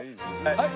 はい。